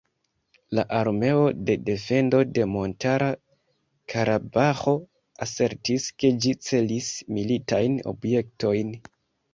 La armeo de defendo de Montara Karabaĥo asertis ke ĝi celis militajn objektojn.